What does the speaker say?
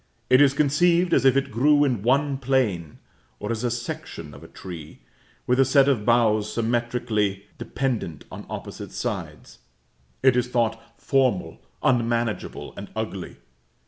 It is conceived as if it grew in one plane, or as a section of a tree, with a set of boughs symmetrically dependent on opposite sides. It is thought formal, unmanageable, and ugly.